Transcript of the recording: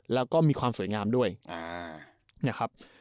แล้วก็มีความสวยงามด้วยนะครับ